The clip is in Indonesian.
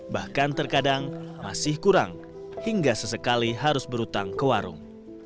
bahkan terkadang masih kurang hingga sesekali harus berhutang ke warung